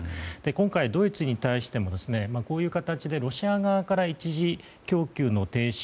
今回、ドイツに対してもこういう形でロシア側から一時供給の停止。